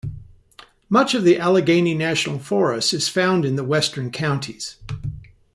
Much of the Allegheny National Forest is found in the western counties.